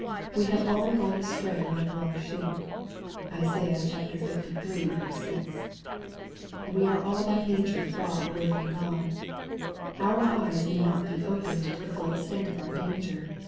We have all gone astray like lost sheep. (Isai. liii. 6.) We are by nature far away from God. Our eyes may not be opened to the full extent of our danger.